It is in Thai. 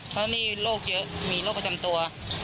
เพราะนี่โรคเยอะมีโรคประจำตัว